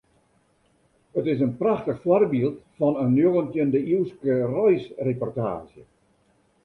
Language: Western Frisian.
It is in prachtich foarbyld fan in njoggentjinde-iuwske reisreportaazje.